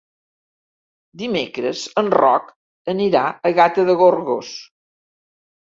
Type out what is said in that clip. Dimecres en Roc anirà a Gata de Gorgos.